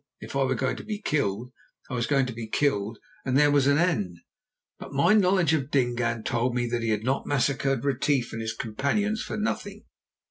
If I were going to be killed, I was going to be killed, and there was an end. But my knowledge of Dingaan told me that he had not massacred Retief and his companions for nothing.